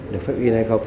để phép in hay không